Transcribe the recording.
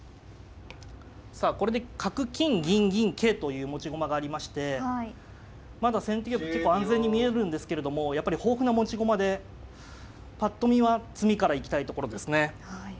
さあこれで角金銀銀桂という持ち駒がありましてまだ先手玉結構安全に見えるんですけれどもやっぱり豊富な持ち駒でぱっと見は詰みから行きたいところですね。